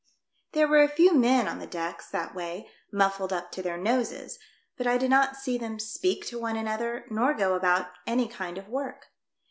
There were a few men on the decks that way, muffled up to their noses ; but I did not see them speak to one another nor go about any kind of work.